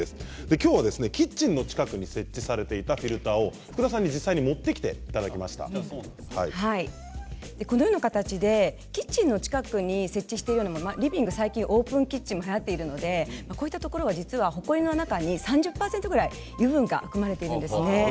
今日はキッチンの近くに設置されていたフィルターを福田さんに実際にこのような形でキッチンの近くに設置しているリビング最近オープンキッチンもはやっているのでこういったところはほこりの中に３０％ぐらい油分が含まれているんです。